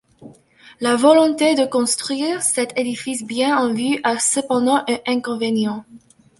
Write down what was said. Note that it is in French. La volonté de construire cet édifice bien en vue a cependant un inconvénient.